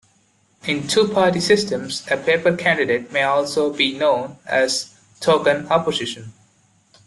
In two-party systems, a paper candidate may also be known as token opposition.